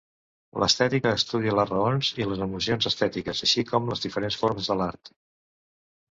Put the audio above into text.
L'estètica estudia les raons i les emocions estètiques, així com les diferents formes de l'art.